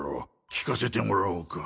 聞かせてもらおうか。